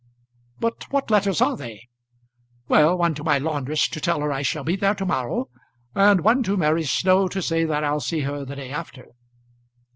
"But what letters are they?" "Well, one to my laundress to tell her I shall be there to morrow, and one to Mary Snow to say that I'll see her the day after."